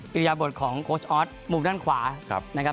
ริยาบทของโค้ชออสมุมด้านขวานะครับ